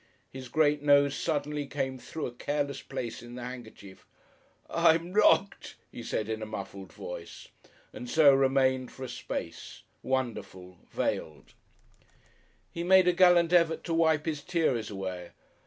His great nose suddenly came through a careless place in the handkerchief. "I'm knocked," he said in a muffled voice, and so remained for a space wonderful veiled. He made a gallant effort to wipe his tears away.